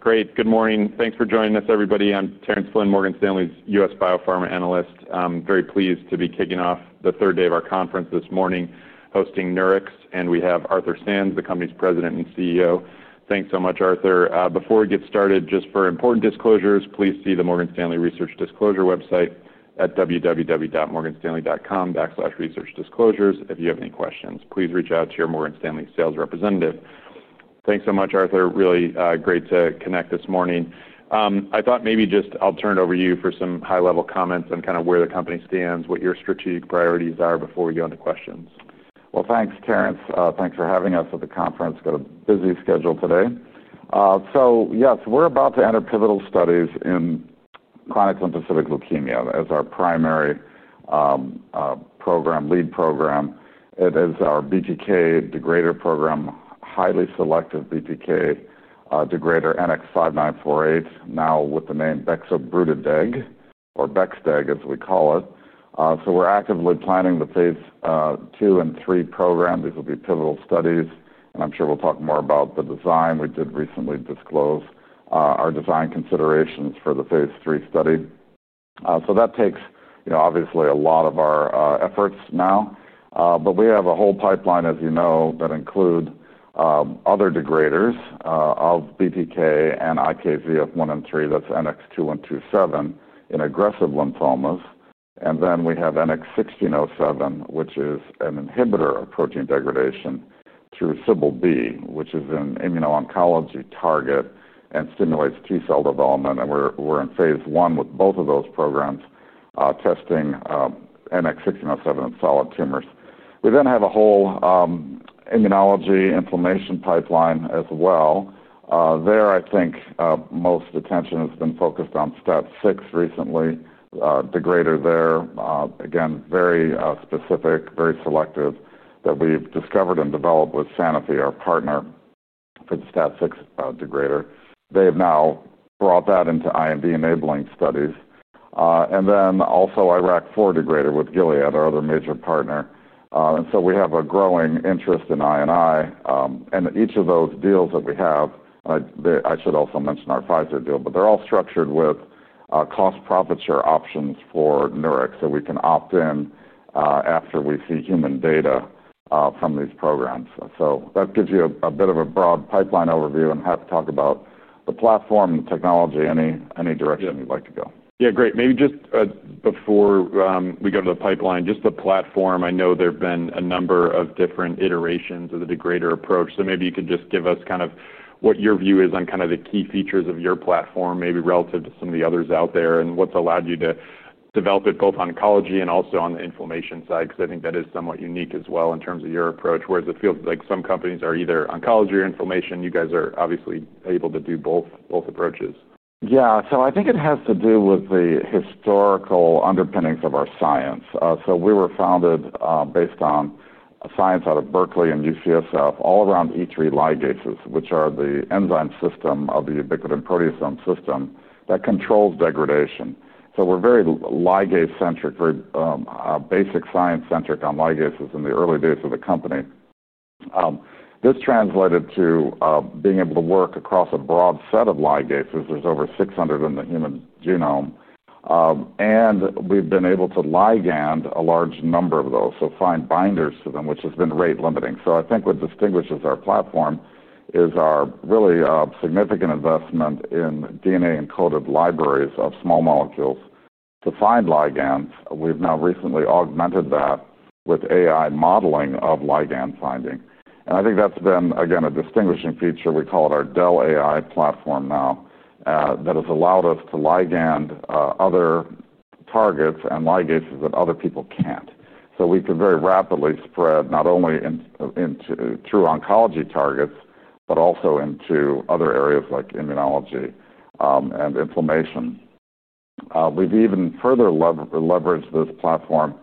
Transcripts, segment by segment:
Great, great. Good morning. Thanks for joining us, everybody. I'm Terence Flynn, Morgan Stanley's U.S. biopharma analyst. I'm very pleased to be kicking off the third day of our conference this morning, hosting Nurix Therapeutics, and we have Arthur T. Sands, the company's President and CEO. Thanks so much, Arthur. Before we get started, just for important disclosures, please see the Morgan Stanley Research Disclosure website at www.morganstanley.com/researchdisclosures. If you have any questions, please reach out to your Morgan Stanley sales representative. Thanks so much, Arthur. Really great to connect this morning. I thought maybe just I'll turn it over to you for some high-level comments on kind of where the company stands, what your strategic priorities are before we go into questions. Thank you, Terence. Thank you for having us at the conference. Got a busy schedule today. Yes, we're about to enter pivotal studies in chronic lymphocytic leukemia as our primary program, lead program. It is our BTK degrader program, highly selective BTK degrader Bexobrutide, now with the name Bexobrutide, or BexDeg, as we call it. We're actively planning the phase 2 and 3 program. These will be pivotal studies, and I'm sure we'll talk more about the design. We did recently disclose our design considerations for the phase 3 study. That takes, you know, obviously a lot of our efforts now. We have a whole pipeline, as you know, that includes other degraders of BTK and IKZF1 and 3, that's NX-2127, in aggressive lymphomas. We have NX-1607, which is an inhibitor of protein degradation through SIKLB, which is an immuno-oncology target and stimulates T-cell development. We're in phase 1 with both of those programs, testing NX-1607 in solid tumors. We then have a whole immunology inflammation pipeline as well. There, I think, most attention has been focused on STAT6 recently, degrader there. Again, very specific, very selective that we've discovered and developed with Sanofi, our partner for the STAT6 degrader. They've now brought that into IND-enabling studies. Also, IRAK4 degrader with Gilead, our other major partner. We have a growing interest in IND. Each of those deals that we have, and I should also mention our Pfizer deal, but they're all structured with cost-profit share options for Nurix so we can opt in after we see human data from these programs. That gives you a bit of a broad pipeline overview. I'm happy to talk about the platform and the technology, any direction you'd like to go. Yeah, great. Maybe just before we go to the pipeline, just the platform, I know there have been a number of different iterations of the degrader approach. Maybe you could just give us kind of what your view is on kind of the key features of your platform, maybe relative to some of the others out there, and what's allowed you to develop it both in oncology and also on the inflammation side, because I think that is somewhat unique as well in terms of your approach, whereas it feels like some companies are either oncology or inflammation. You guys are obviously able to do both approaches. Yeah. I think it has to do with the historical underpinnings of our science. We were founded based on science out of Berkeley and UCSF, all around E3 ligases, which are the enzyme system of the ubiquitin proteasome system that controls degradation. We're very ligase-centric, very basic science-centric on ligases in the early days of the company. This translated to being able to work across a broad set of ligases. There are over 600 in the human genome. We've been able to ligand a large number of those, so find binders to them, which has been rate-limiting. I think what distinguishes our platform is our really significant investment in DNA-encoded libraries of small molecules to find ligands. We've now recently augmented that with AI modeling of ligand finding. I think that's been, again, a distinguishing feature. We call it our DEL-AI platform now, that has allowed us to ligand other targets and ligases that other people can't. We can very rapidly spread not only into true oncology targets but also into other areas like immunology and inflammation. We've even further leveraged this platform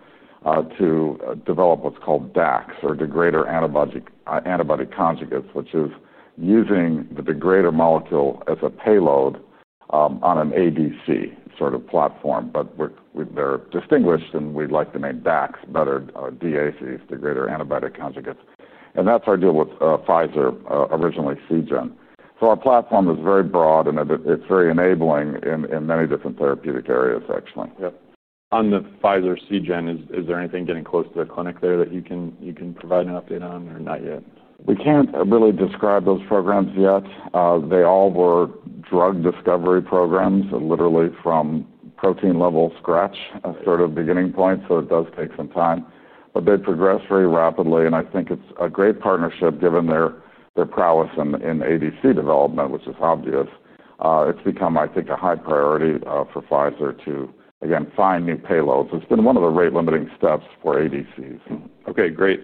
to develop what's called DACs, or degrader antibody conjugates, which is using the degrader molecule as a payload on an ADC sort of platform. They're distinguished, and we like to name DACs better, DACs, degrader antibody conjugates. That's our deal with Pfizer, originally CGEN. Our platform is very broad, and it's very enabling in many different therapeutic areas. Excellent. Yep. On the Pfizer CGEN, is there anything getting close to a clinic there that you can provide an update on, or not yet? We can't really describe those programs yet. They all were drug discovery programs, literally from protein-level scratch, a sort of beginning point. It does take some time, but they've progressed very rapidly. I think it's a great partnership given their prowess in ADC development, which is obvious. It's become, I think, a high priority for Pfizer to, again, find new payloads. It's been one of the rate-limiting steps for ADCs. Okay, great.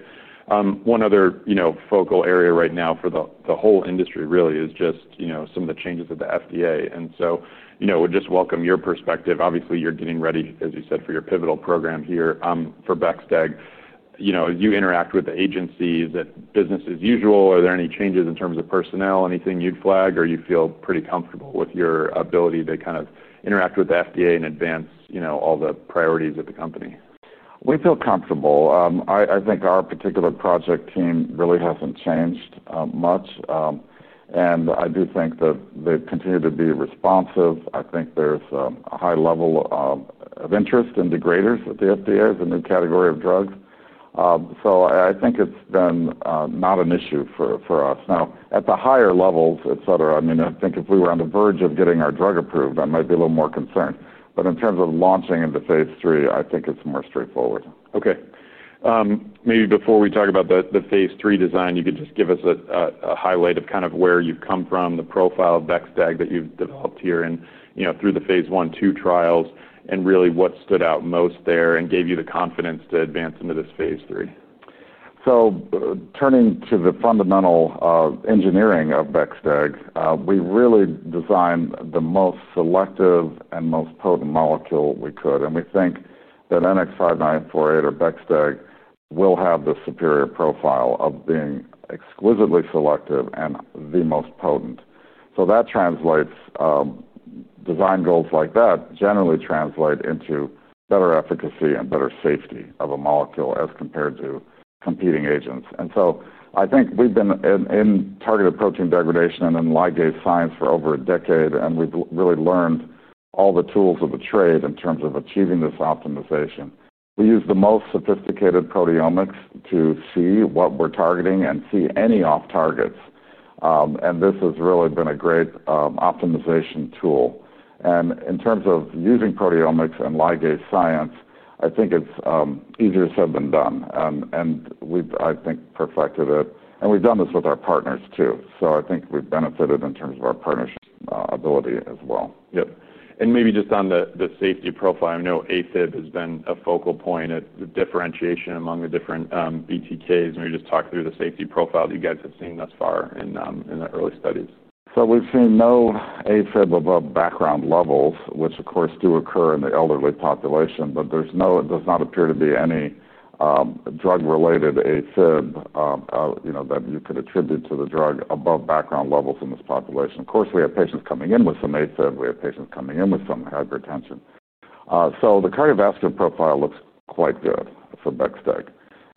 One other focal area right now for the whole industry, really, is just some of the changes at the FDA. We’d just welcome your perspective. Obviously, you're getting ready, as you said, for your pivotal program here for BexDeg. You interact with the agency, that business as usual. Are there any changes in terms of personnel, anything you'd flag, or you feel pretty comfortable with your ability to kind of interact with the FDA and advance all the priorities at the company? We feel comfortable. I think our particular project team really hasn't changed much. I do think that they continue to be responsive. I think there's a high level of interest in degraders at the FDA as a new category of drugs. It's been not an issue for us. At the higher levels, I mean, if we were on the verge of getting our drug approved, I might be a little more concerned. In terms of launching into phase 3, I think it's more straightforward. Okay. Maybe before we talk about the phase 3 design, you could just give us a highlight of kind of where you've come from, the profile of BexDeg that you've developed here and through the phase 1, 2 trials, and really what stood out most there and gave you the confidence to advance into this phase 3. Turning to the fundamental engineering of BexDeg, we really designed the most selective and most potent molecule we could. We think that NX-5948 or BexDeg will have the superior profile of being exquisitely selective and the most potent. That translates—design goals like that generally translate into better efficacy and better safety of a molecule as compared to competing agents. I think we've been in targeted protein degradation and in ligase science for over a decade, and we've really learned all the tools of the trade in terms of achieving this optimization. We use the most sophisticated proteomics to see what we're targeting and see any off-targets. This has really been a great optimization tool. In terms of using proteomics and ligase science, I think it's easier said than done. I think we've perfected it. We've done this with our partners too. I think we've benefited in terms of our partners' ability as well. Yes. Maybe just on the safety profile, I know atrial fibrillation has been a focal point at the differentiation among the different BTK degraders. Maybe just talk through the safety profile that you guys have seen thus far in the early studies. We've seen no atrial fibrillation above background levels, which, of course, do occur in the elderly population, but there does not appear to be any drug-related atrial fibrillation that you could attribute to the drug above background levels in this population. We have patients coming in with some atrial fibrillation. We have patients coming in with some hypertension. The cardiovascular profile looks quite good for BexDeg,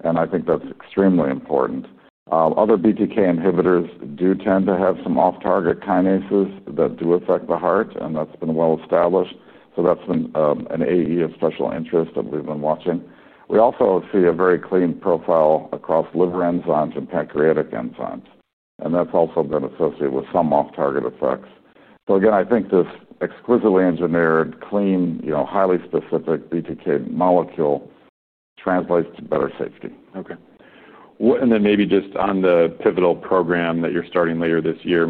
and I think that's extremely important. Other BTK inhibitors do tend to have some off-target kinases that do affect the heart, and that's been well established. That's been an adverse event of special interest that we've been watching. We also see a very clean profile across liver enzymes and pancreatic enzymes, and that's also been associated with some off-target effects. I think this exquisitely engineered, clean, highly specific BTK molecule translates to better safety. Okay. Maybe just on the pivotal program that you're starting later this year,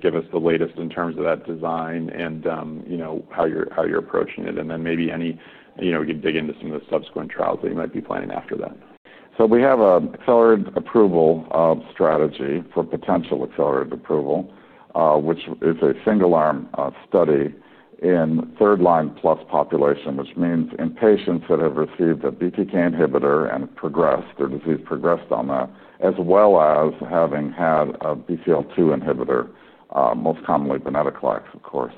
give us the latest in terms of that design and how you're approaching it. Maybe we could dig into some of the subsequent trials that you might be planning after that. We have an accelerated approval strategy for potential accelerated approval, which is a single-arm study in third-line plus population, which means in patients that have received a BTK inhibitor and progressed, their disease progressed on that, as well as having had a BCL2 inhibitor, most commonly venetoclax, of course.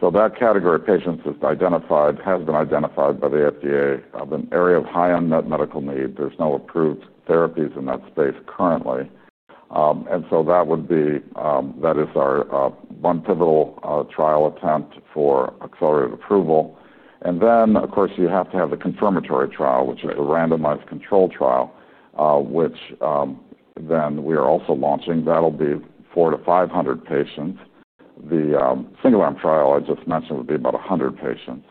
That category of patients has been identified by the FDA as an area of high unmet medical need. There are no approved therapies in that space currently. That is our one pivotal trial attempt for accelerated approval. Of course, you have to have the confirmatory trial, which is the randomized control trial, which we are also launching. That will be 400 to 500 patients. The single-arm trial I just mentioned would be about 100 patients.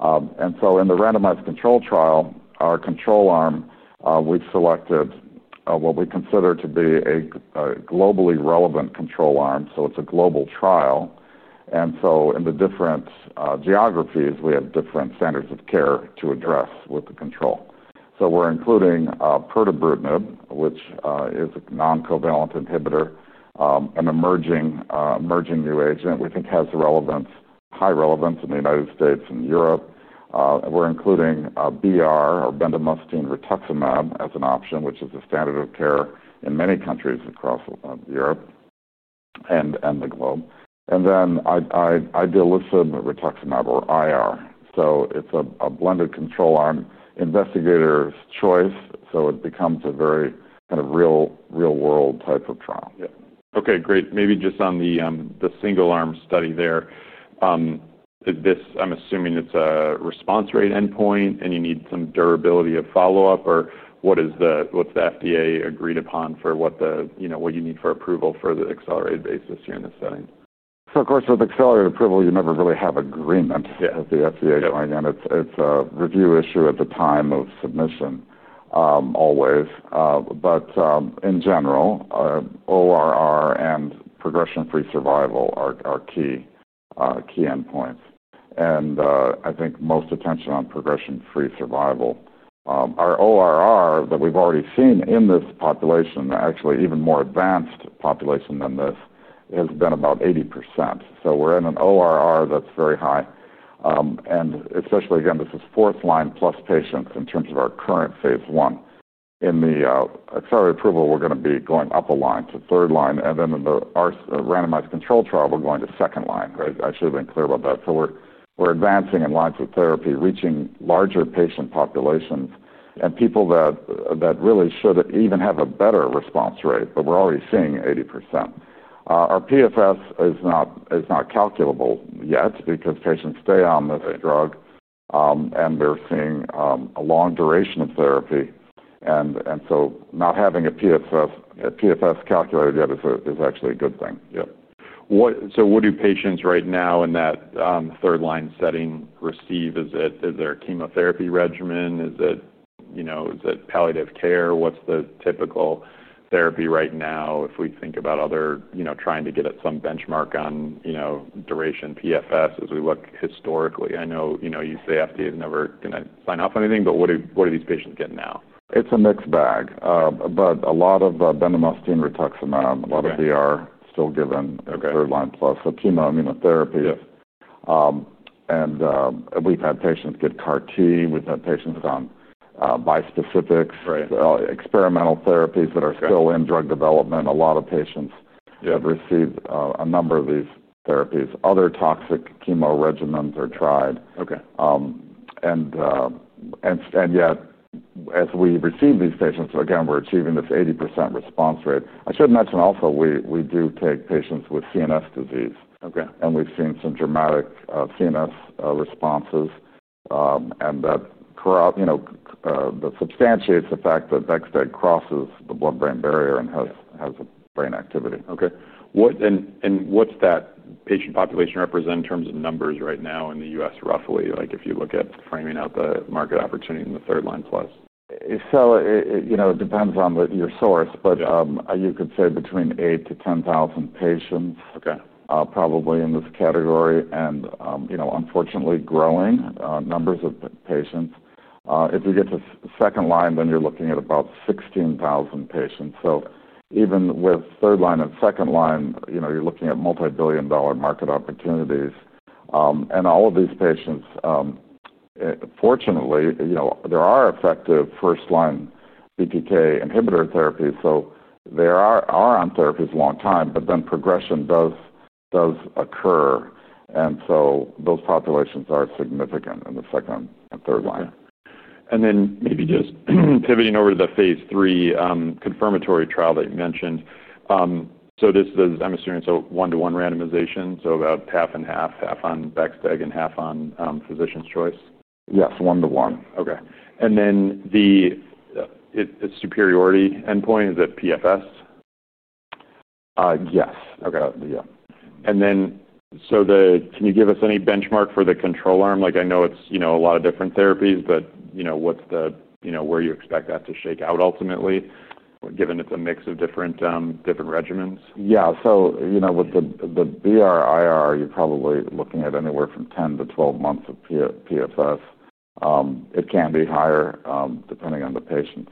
In the randomized control trial, our control arm, we've selected what we consider to be a globally relevant control arm. It is a global trial. In the different geographies, we have different standards of care to address with the control. We are including pirtobrutinib, which is a non-covalent inhibitor, an emerging new agent we think has high relevance in the U.S. and Europe. We are including BR, or bendamustine rituximab, as an option, which is the standard of care in many countries across Europe and the globe. Then I deal with sublingual rituximab, or IR. It is a blended control arm, investigator's choice. It becomes a very kind of real-world type of trial. Okay, great. Maybe just on the single-arm trial there, I'm assuming it's a response rate endpoint, and you need some durability of follow-up. What's the FDA agreed upon for what you need for approval for the accelerated basis here in this setting? Of course, with accelerated approval, you never really have agreement with the FDA. It's a review issue at the time of submission, always. In general, ORR and progression-free survival are our key, key endpoints. I think most attention is on progression-free survival. Our ORR that we've already seen in this population, actually even a more advanced population than this, has been about 80%. We're in an ORR that's very high, especially since this is fourth-line plus patients in terms of our current phase 1. In the accelerated approval, we're going to be going up a line to third line. In our randomized control trial, we're going to second line. I should have been clear about that. We're advancing in lines of therapy, reaching larger patient populations and people that really should even have a better response rate, but we're already seeing 80%. Our PFS is not calculable yet because patients stay on the drug, and they're seeing a long duration of therapy. Not having a PFS calculated yet is actually a good thing. Yeah. What do patients right now in that third-line setting receive? Is it, is there a chemotherapy regimen? Is it palliative care? What's the typical therapy right now if we think about other, you know, trying to get at some benchmark on duration PFS as we look historically? I know you say FDA is never going to sign off on anything, but what do these patients get now? It's a mixed bag, but a lot of bendamustine rituximab, a lot of BR still given third-line plus. Chemoimmunotherapy is, and we've had patients get CAR-T. We've had patients on bispecifics, experimental therapies that are still in drug development. A lot of patients have received a number of these therapies. Other toxic chemo regimens are tried. Yet, as we receive these patients, again, we're achieving this 80% response rate. I should mention also, we do take patients with CNS disease. We've seen some dramatic CNS responses, and that substantiates the fact that Bexobrutide crosses the blood-brain barrier and has brain activity. Okay. What does that patient population represent in terms of numbers right now in the U.S., roughly? If you look at framing out the market opportunity in the third-line plus? It depends on your source, but you could say between 8,000 to 10,000 patients, probably in this category. Unfortunately, growing numbers of patients. If you get to second line, then you're looking at about 16,000 patients. Even with third line and second line, you're looking at multi-billion dollar market opportunities. All of these patients, fortunately, there are effective first-line BTK inhibitor therapies. They are on therapies a long time, but then progression does occur. Those populations are significant in the second and third line. Okay. Maybe just pivoting over to the phase 3 confirmatory trial that you mentioned. This does, I'm assuming, one-to-one randomization, so about half and half, half on BexDeg and half on physician's choice? Yes, one-to-one. Okay. It's a superiority endpoint. Is it PFS? Yes. Okay. Yeah. Can you give us any benchmark for the control arm? I know it's a lot of different therapies, but what's the, you know, where you expect that to shake out ultimately, given it's a mix of different regimens? Yeah. With the BR/IR, you're probably looking at anywhere from 10 to 12 months of PFS. It can be higher, depending on the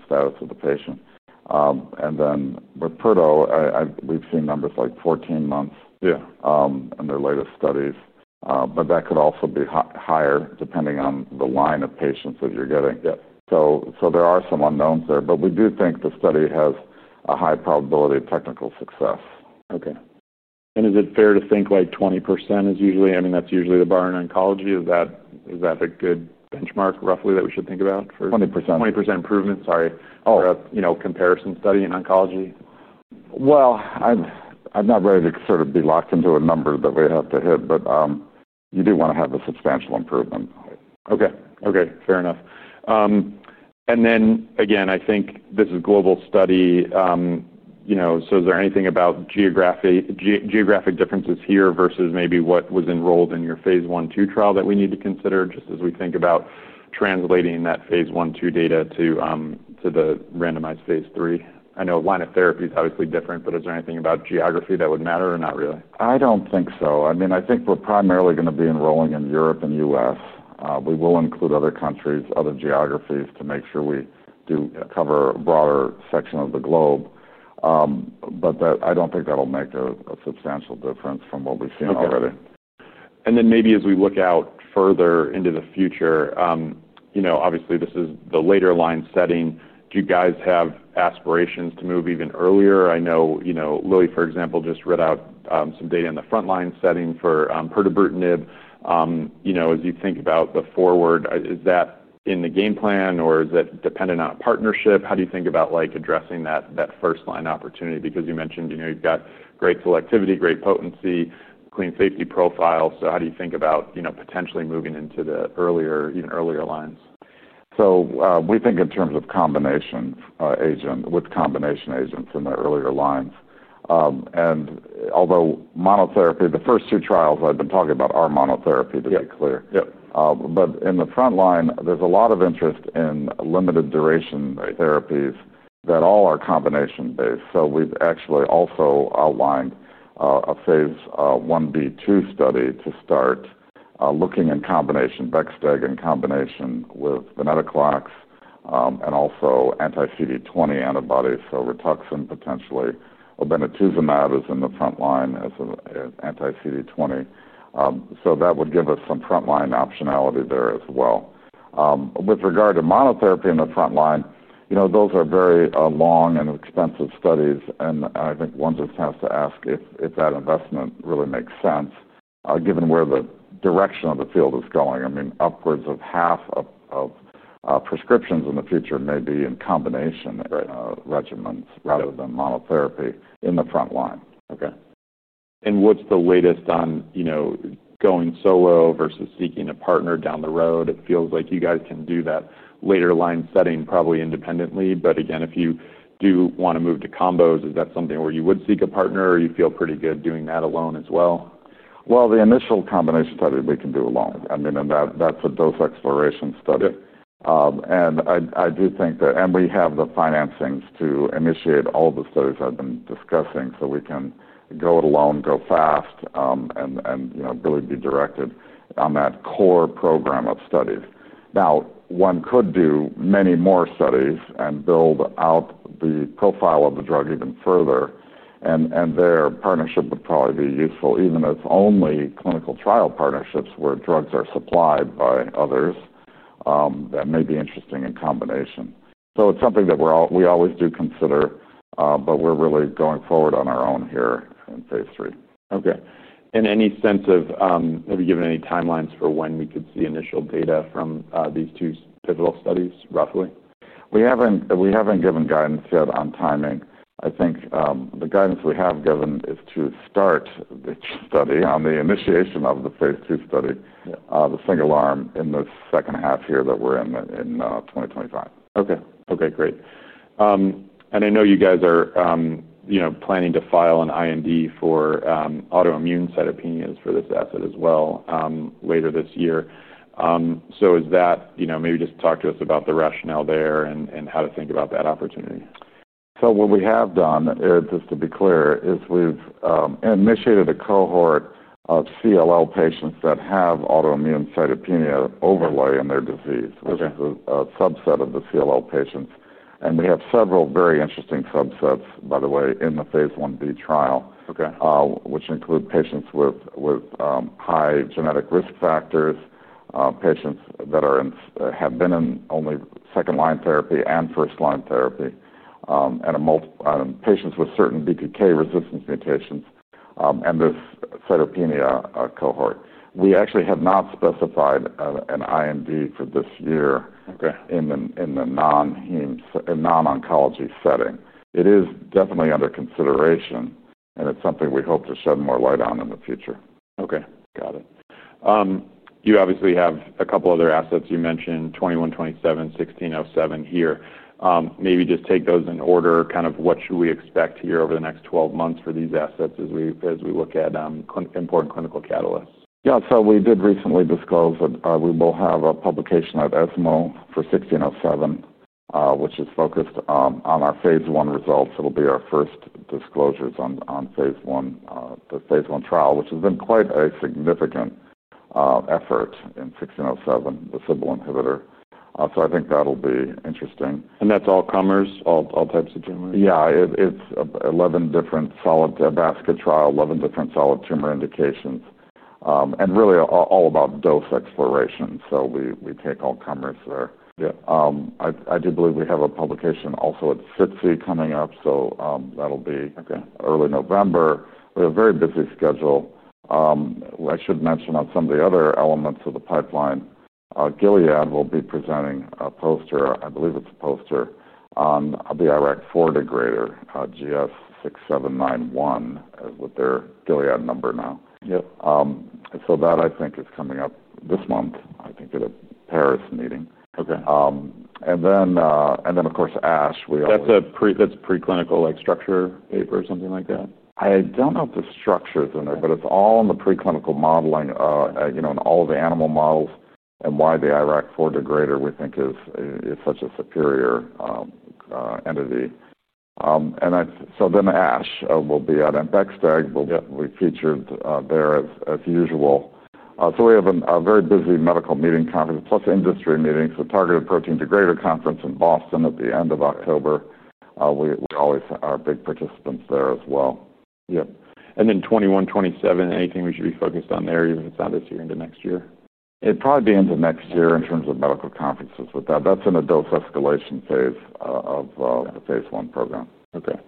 status of the patient. With Pertu, we've seen numbers like 14 months in their latest studies. That could also be higher depending on the line of patients that you're getting. There are some unknowns there. We do think the study has a high probability of technical success. Okay. Is it fair to think like 20% is usually, I mean, that's usually the bar in oncology? Is that a good benchmark, roughly, that we should think about for? 20%. 20% improvement, sorry, for a comparison study in oncology? I'm not ready to sort of be locked into a number that we have to hit, but you do want to have a substantial improvement. Okay. Fair enough. I think this is a global study. Is there anything about geographic differences here versus maybe what was enrolled in your phase 1/2 trial that we need to consider just as we think about translating that phase 1/2 data to the randomized phase 3? I know line of therapy is obviously different, but is there anything about geography that would matter or not really? I don't think so. I mean, I think we're primarily going to be enrolling in Europe and the U.S. We will include other countries, other geographies to make sure we do cover a broader section of the globe. That, I don't think, will make a substantial difference from what we've seen already. Okay. Maybe as we look out further into the future, obviously this is the later line setting. Do you guys have aspirations to move even earlier? I know, you know, Lilly, for example, just read out some data in the frontline setting for pertubrutinib. As you think about the forward, is that in the game plan or is that dependent on a partnership? How do you think about addressing that first-line opportunity? You mentioned you've got great selectivity, great potency, clean safety profile. How do you think about potentially moving into the earlier, even earlier lines? We think in terms of combination agent, with combination agents in the earlier lines. Although monotherapy, the first two trials I've been talking about are monotherapy to be clear. Yep. In the front line, there's a lot of interest in limited duration therapies that all are combination-based. We've actually also outlined a phase 1B/2 study to start looking in combination, BexDeg in combination with venetoclax and also anti-CD20 antibodies. Rituxan potentially, obinutuzumab is in the front line as an anti-CD20. That would give us some frontline optionality there as well. With regard to monotherapy in the front line, those are very long and expensive studies. I think one just has to ask if that investment really makes sense given where the direction of the field is going. I mean, upwards of half of prescriptions in the future may be in combination regimens rather than monotherapy in the front line. Okay. What's the latest on, you know, going solo versus seeking a partner down the road? It feels like you guys can do that later line setting probably independently. If you do want to move to combos, is that something where you would seek a partner or you feel pretty good doing that alone as well? The initial combination study, we can do alone. I mean, that's a dose exploration study. I do think that, and we have the financings to initiate all the studies I've been discussing, so we can go it alone, go fast, and, you know, really be directed on that core program of studies. One could do many more studies and build out the profile of the drug even further. Their partnership would probably be useful, even if it's only clinical trial partnerships where drugs are supplied by others; that may be interesting in combination. It's something that we always do consider, but we're really going forward on our own here in phase 3. Okay. Have you given any timelines for when we could see initial data from these two pivotal studies, roughly? We haven't given guidance yet on timing. I think the guidance we have given is to start the study on the initiation of the phase 2 study, the single-arm, in the second half here that we're in, in 2025. Okay, great. I know you guys are planning to file an IND for autoimmune cytopenias for this batch as well later this year. Is that, maybe just talk to us about the rationale there and how to think about that opportunity. What we have done, just to be clear, is we've initiated a cohort of CLL patients that have autoimmune cytopenia overlay in their disease, which is a subset of the CLL patients. We have several very interesting subsets, by the way, in the phase 1B trial, which include patients with high genetic risk factors, patients that have been in only second-line therapy and first-line therapy, and patients with certain BTK resistance mutations, and this cytopenia cohort. We actually have not specified an IND for this year in the non-oncology setting. It is definitely under consideration, and it's something we hope to shed more light on in the future. Okay. Got it. You obviously have a couple other assets you mentioned, NX-2127, NX-1607 here. Maybe just take those in order. Kind of what should we expect here over the next 12 months for these assets as we look at important clinical catalysts? Yeah. We did recently disclose that we will have a publication at ESMO for NX-1607, which is focused on our phase 1 results. It'll be our first disclosures on phase 1, the phase 1 trial, which has been quite a significant effort in NX-1607 with SIKLB inhibitor. I think that'll be interesting. That's all comers, all types of tumors? Yeah. It's 11 different solid basket trial, 11 different solid tumor indications, and really all about dose exploration. We take all comers there. I do believe we have a publication also at SITSI coming up. That'll be early November. We have a very busy schedule. I should mention on some of the other elements of the pipeline, Gilead Sciences will be presenting a poster, I believe it's a poster, on the IRAK4 degrader, GS6791, with their Gilead Sciences number now. Yep. I think that is coming up this month, I think, at a Paris meeting. Of course, ASH, we always. That's a preclinical-like structure paper or something like that? I don't know if the structure is in there, but it's all in the preclinical modeling, you know, in all of the animal models and why the IRAK4 degrader we think is it's such a superior entity. ASH will be at BexDeg. We'll be featured there as usual. We have a very busy medical meeting conference plus industry meetings. The targeted protein degrader conference in Boston at the end of October. We always are big participants there as well. Yep. 2127, anything we should be focused on there, even if it's not this year into next year? It'd probably be into next year in terms of medical conferences, but that's in a dose escalation phase of the phase 1 program. Okay.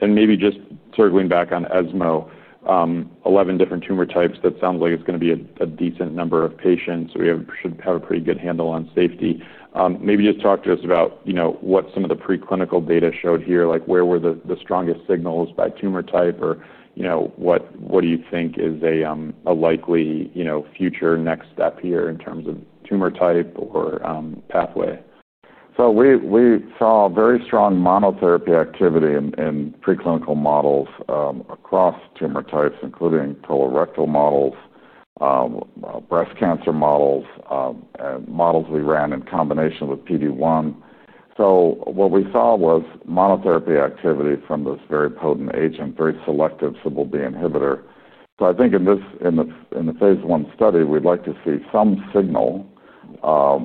Maybe just circling back on ESMO, 11 different tumor types, that sounds like it's going to be a decent number of patients. We should have a pretty good handle on safety. Maybe just talk to us about what some of the preclinical data showed here, like where were the strongest signals by tumor type or what do you think is a likely future next step here in terms of tumor type or pathway? We saw very strong monotherapy activity in preclinical models across tumor types, including colorectal models, breast cancer models, and models we ran in combination with PD-1. What we saw was monotherapy activity from this very potent agent, very selective SIKLB inhibitor. I think in the phase 1 study, we'd like to see some signal of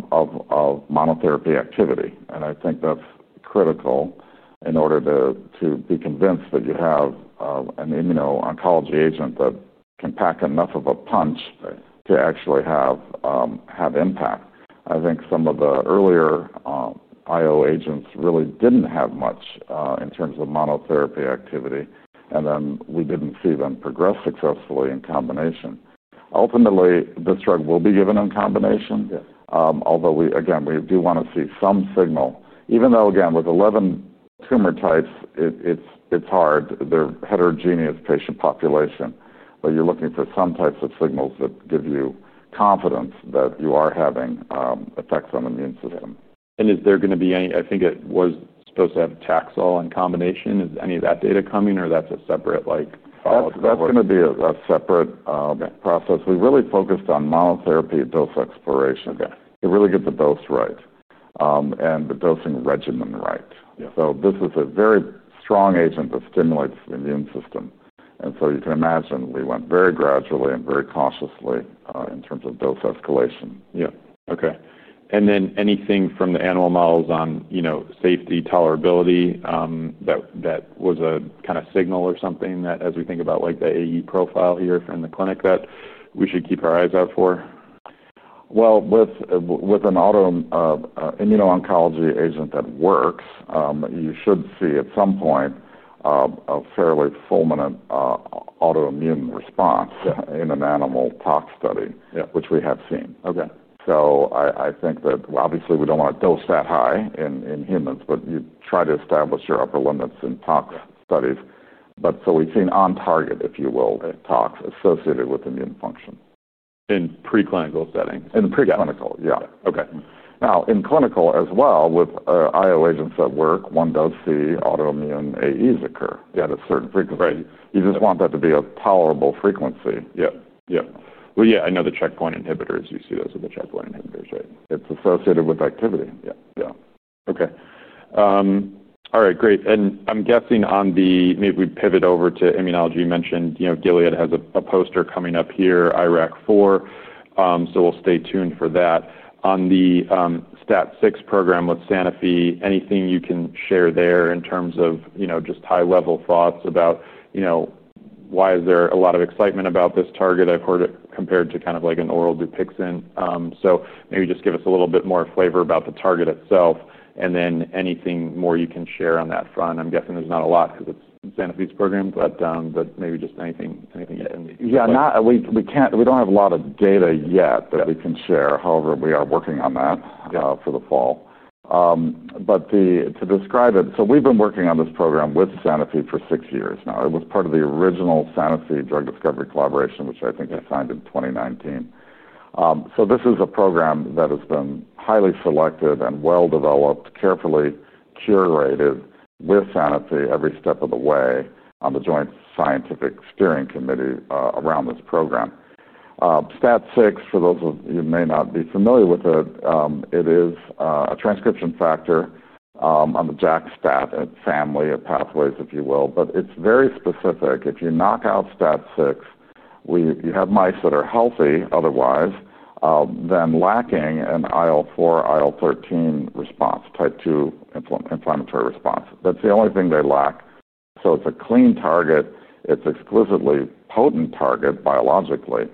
monotherapy activity. I think that's critical in order to be convinced that you have an immuno-oncology agent that can pack enough of a punch to actually have impact. I think some of the earlier IO agents really didn't have much in terms of monotherapy activity. We didn't see them progress successfully in combination. Ultimately, this drug will be given in combination. We do want to see some signal, even though, again, with 11 tumor types, it's hard. They're a heterogeneous patient population. You're looking for some types of signals that give you confidence that you are having effects on the immune system. Is there going to be any, I think it was supposed to have Taxol in combination. Is any of that data coming or that's a separate? That's going to be a separate process. We really focused on monotherapy dose exploration. You really get the dose right, and the dosing regimen right. This is a very strong agent that stimulates the immune system, so you can imagine we went very gradually and very cautiously in terms of dose escalation. Okay. Anything from the animal models on safety, tolerability, that was a kind of signal or something that as we think about the AE profile here in the clinic that we should keep our eyes out for? With an auto, immuno-oncology agent that works, you should see at some point a fairly fulminant autoimmune response in an animal tox study, which we have seen. I think that obviously we don't want to dose that high in humans, but you try to establish your upper limits in tox studies. We've seen on target, if you will, tox associated with immune function. In preclinical setting? In preclinical, yeah. Okay, now in clinical as well with IO agents that work, one does see autoimmune AEs occur at a certain frequency. You just want that to be a tolerable frequency. Yeah. Yeah. I know the checkpoint inhibitors, you see those with the checkpoint inhibitors, right? It's associated with activity. Yeah. Okay, all right, great. I'm guessing on the, maybe we pivot over to immunology. You mentioned, you know, Gilead Sciences has a poster coming up here, IRAK4. We'll stay tuned for that. On the STAT6 program with Sanofi S.A., anything you can share there in terms of, you know, just high-level thoughts about, you know, why is there a lot of excitement about this target? I've heard it compared to kind of like an oral Dupixent. Maybe just give us a little bit more flavor about the target itself. Anything more you can share on that front? I'm guessing there's not a lot because it's Sanofi S.A.'s program, but maybe just anything you can share. Yeah, we can't, we don't have a lot of data yet that we can share. However, we are working on that for the fall. To describe it, we've been working on this program with Sanofi S.A. for six years now. It was part of the original Sanofi S.A. drug discovery collaboration, which I think we signed in 2019. This is a program that has been highly selected and well-developed, carefully curated with Sanofi S.A. every step of the way on the joint scientific steering committee around this program. STAT6, for those of you who may not be familiar with it, is a transcription factor in the JAK-STAT family of pathways, if you will. It's very specific. If you knock out STAT6, you have mice that are healthy otherwise, then lacking an IL-4, IL-13 response, type 2 inflammatory response. That's the only thing they lack. It's a clean target. It's an exquisitely potent target biologically.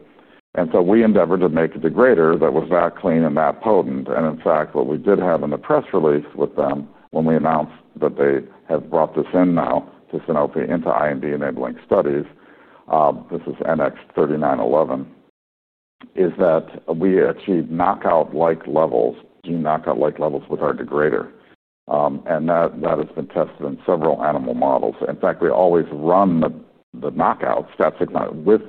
We endeavored to make a degrader that was that clean and that potent. In fact, what we did have in the press release with them when we announced that they have brought this in now to Sanofi S.A. into IND-enabling studies, this is NX-3911, is that we achieved knockout-like levels, gene knockout-like levels with our degrader. That has been tested in several animal models. We always run the knockouts, STAT6 with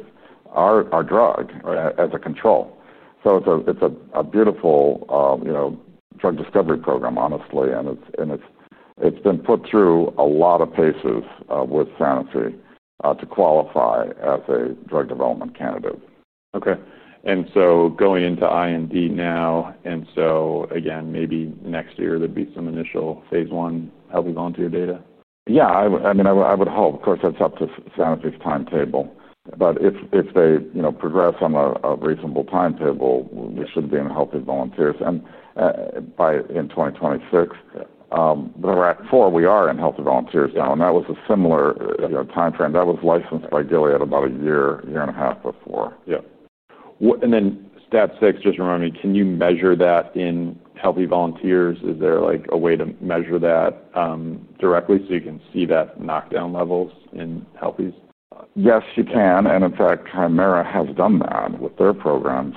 our drug as a control. It's a beautiful drug discovery program, honestly. It's been put through a lot of paces with Sanofi S.A. to qualify as a drug development candidate. Okay. Going into IND now, maybe next year there'd be some initial phase 1 healthy volunteer data? Yeah, I mean, I would hope. Of course, that's up to Sanofi S.A.'s timetable. If they progress on a reasonable timetable, we should be in healthy volunteers by 2026. The IRAK4, we are in healthy volunteers now. That was a similar timeframe. That was licensed by Gilead Sciences about a year, year and a half before. Yeah. STAT6, just remind me, can you measure that in healthy volunteers? Is there a way to measure that directly so you can see that knockdown levels in healthy? Yes, you can. In fact, Chimera has done that with their program,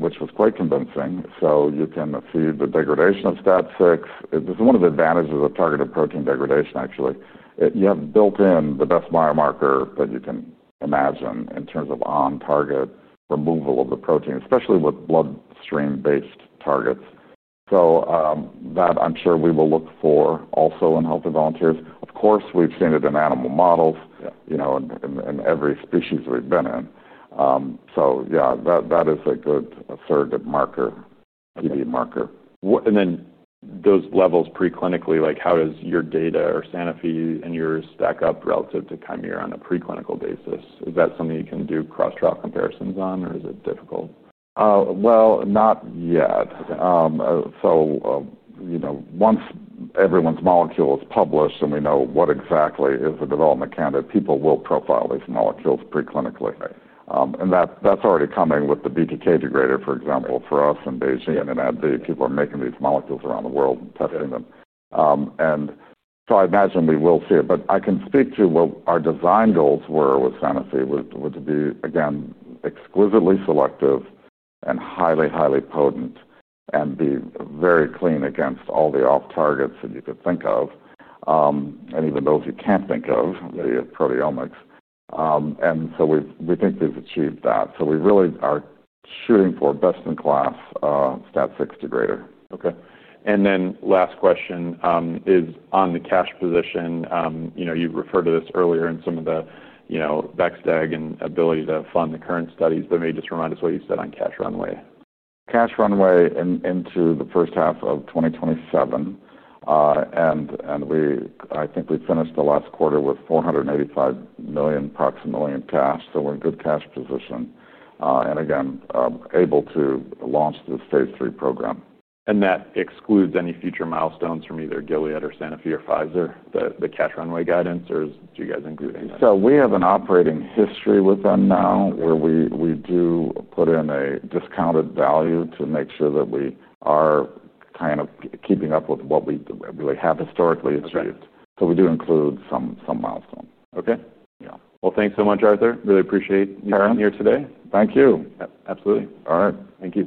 which was quite convincing. You can see the degradation of STAT6. This is one of the advantages of targeted protein degradation, actually. You have built in the best biomarker that you can imagine in terms of on-target removal of the protein, especially with bloodstream-based targets. I'm sure we will look for that also in healthy volunteers. Of course, we've seen it in animal models, in every species we've been in. That is a good, a fair good marker, EV marker. Those levels preclinically, like how does your data or Sanofi and yours stack up relative to Chimera on a preclinical basis? Is that something you can do cross-trial comparisons on, or is it difficult? Not yet. You know, once everyone's molecule is published and we know what exactly is the development candidate, people will profile these molecules preclinically. That's already coming with the BTK degrader, for example, for us in Beijing, and people are making these molecules around the world and testing them. I imagine we will see it. I can speak to what our design goals were with Sanofi S.A., which would be, again, exquisitely selective and highly, highly potent and be very clean against all the off-targets that you could think of, and even those you can't think of, the proteomics. We think we've achieved that. We really are shooting for best-in-class STAT6 degrader. Okay. Last question is on the cash position. You referred to this earlier in some of the BexDeg and ability to fund the current studies. Maybe just remind us what you said on cash runway. Cash runway into the first half of 2027. I think we finished the last quarter with approximately $485 million in cash. We're in good cash position and able to launch this phase 3 program. That excludes any future milestones from either Gilead Sciences or Sanofi S.A. or Pfizer Inc., the cash runway guidance, or do you guys include anything? We have an operating history with them now where we do put in a discounted value to make sure that we are kind of keeping up with what we really have historically achieved. We do include some milestones. Okay. Thank you so much, Arthur. Really appreciate you coming here today. Thank you. Absolutely. All right. Thank you.